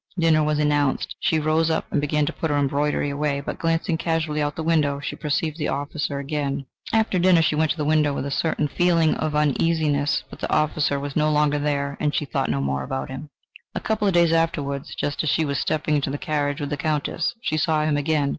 Dinner was announced. She rose up and began to put her embroidery away, but glancing casually out of the window, she perceived the officer again. This seemed to her very strange. After dinner she went to the window with a certain feeling of uneasiness, but the officer was no longer there and she thought no more about him. A couple of days afterwards, just as she was stepping into the carriage with the Countess, she saw him again.